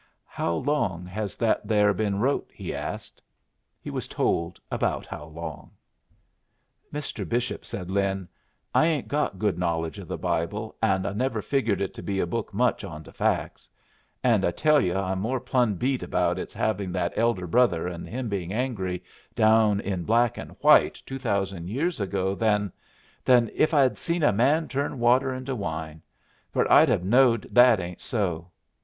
"How long has that there been wrote?" he asked. He was told about how long. "Mr. Bishop," said Lin, "I ain't got good knowledge of the Bible, and I never figured it to be a book much on to facts. And I tell you I'm more plumb beat about it's having that elder brother, and him being angry, down in black and white two thousand years ago, than than if I'd seen a man turn water into wine, for I'd have knowed that ain't so.